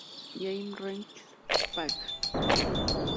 GameRankings page.